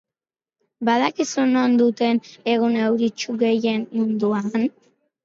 Badakizu non duten egun euritsu gehien munduan?